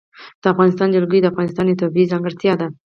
د افغانستان جلکو د افغانستان یوه طبیعي ځانګړتیا ده.